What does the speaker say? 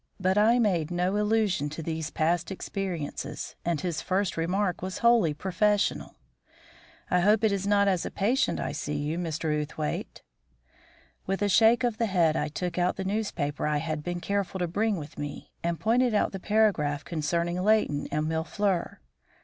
But I made no allusion to these past experiences, and his first remark was wholly professional. "I hope it is not as a patient I see you, Mr. Outhwaite?" With a shake of the head I took out the newspaper I had been careful to bring with me, and pointed out the paragraph concerning Leighton and Mille fleurs.